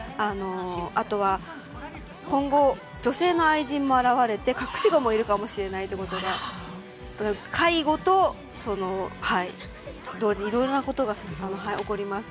あとは、今後、女性の愛人も現れ隠し子もいるかもしれないということで介護と同時にいろいろなことが起こります。